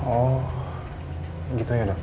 oh gitu ya dong